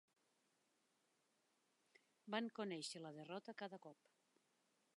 Van conèixer la derrota cada cop.